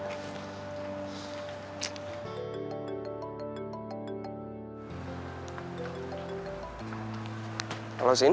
bajcie selamat siang